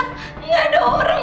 gak ada orang